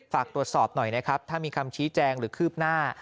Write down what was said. ฝากตรวจสอบหน่อยนะครับถ้ามีคำชี้แจงหรือคืบหน้า